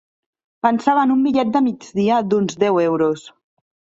Pensava en un bitllet de migdia d'uns deu euros.